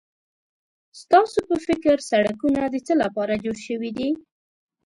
ستاسو په فکر سړکونه د څه لپاره جوړ شوي دي؟